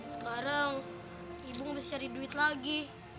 sekarang ibu tidak bisa mencari uang lagi